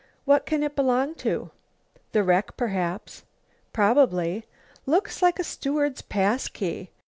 "What can it belong to?" "The wreck, perhaps." "Probably." "Looks like a steward's pass key."